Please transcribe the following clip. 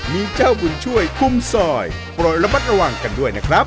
มีเจ้าบุญช่วยคุมซอยปล่อยระมัดระวังกันด้วยนะครับ